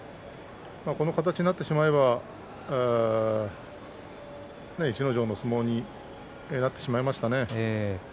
この形になってしまえば逸ノ城の相撲になってしまいましたね。